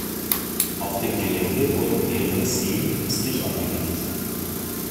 Auf dem Gelände wurden mehrere Seen künstlich angelegt.